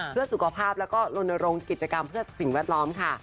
เพื่อสุขภาพแล้วก็ลนโรงกิจกรรมเพื่อสิ่งแวดล้อมค่ะ